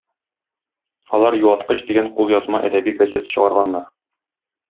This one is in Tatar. Алар "Юаткыч" дигән кулъязма әдәби газета чыгарганнар.